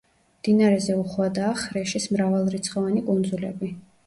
მდინარეზე უხვადაა ხრეშის მრავალრიცხოვანი კუნძულები.